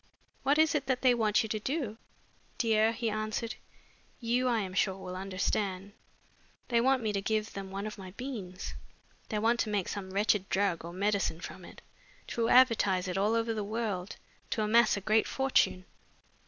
"What is it that they want you to do?" "Dear," he answered, "you, I am sure, will understand. They want me to give them one of my beans. They want to make some wretched drug or medicine from it, to advertise it all over the world, to amass a great fortune."